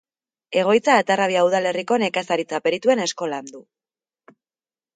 Egoitza Atarrabia udalerriko Nekazaritza-Perituen Eskolan du.